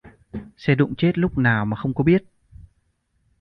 Xe đụng chết lúc nào mà không có biết